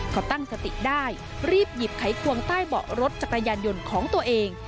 พอตั้งสติได้รีบหยิบไขควงใต้เบาะรถจักรยานยนต์ของตัวเอง